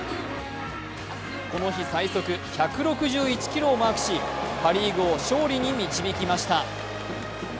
この日、最速１６１キロをマークしパ・リーグを勝利に導きました。